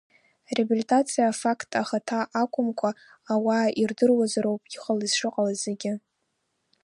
Ареабилитациа афакт ахаҭа акәымкәа, ауаа ирдыруазароуп иҟалаз шыҟалаз зегьы.